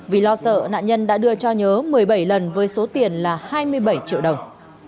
vì lo sợ nạn nhân đã đưa cho nhớ một mươi bảy lần với số tiền là hai mươi bảy triệu đồng